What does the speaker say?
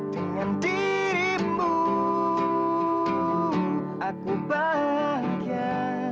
dengan dirimu aku bahagia